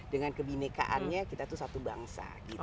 dengan kebinekaannya kita itu satu bangsa gitu